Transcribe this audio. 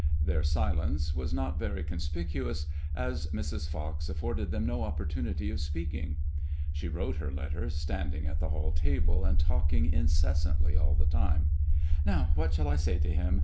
Their silence was not MADEMOISELLE IXS. 85 very conspicuous, as Mrs. Fox afforded them no opportunity of speaking. She wrote her letter, standing at the hall table, and talking incessantly all the time. ''Now what shall I say to him?